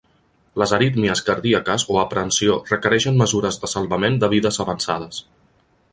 Les arítmies cardíaques o aprehensió requereixen mesures de salvament de vides avançades.